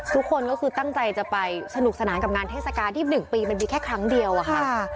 ทุกคนก็คือตั้งใจจะไปสนุกสนานกับงานเทศกาลที่๑ปีมันมีแค่ครั้งเดียวอะค่ะ